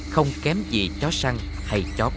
không kém gì chó săn hay chó bẹp xe